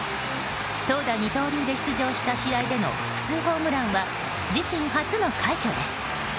投打二刀流で出場した試合での複数ホームランは自身初の快挙です。